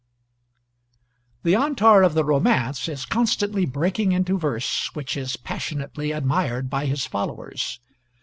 The Antar of the romance is constantly breaking into verse which is passionately admired by his followers.